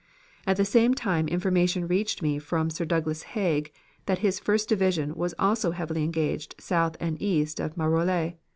At the same time information reached me from Sir Douglas Haig that his First Division was also heavily engaged south and east of Maroilles.